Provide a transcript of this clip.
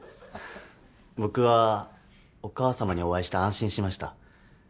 僕はお母さまにお会いして安心しました。